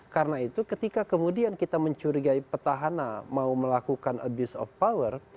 karena itu ketika kemudian kita mencurigai petahana mau melakukan abuse of power